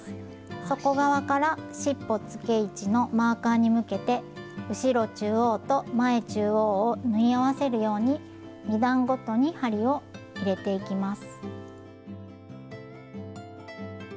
底側からしっぽつけ位置のマーカーに向けて後ろ中央と前中央を縫い合わせるように２段ごとに針を入れていきます。